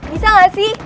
bisa gak sih